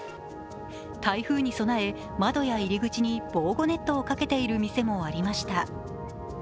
台風に備え、窓や入り口に防護ネットをかけている店もありました。